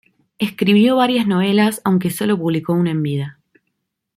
Escribió varias novelas, aunque sólo publicó una en vida.